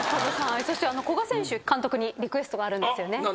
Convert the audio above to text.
そして古賀選手監督にリクエストがあるんですよね。